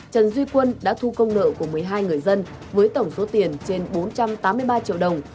trần duy quân đã thu công nợ của một mươi hai người dân với tổng số tiền trên bốn trăm tám mươi ba triệu đồng